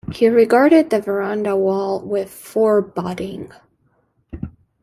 He regarded the verandah wall with foreboding.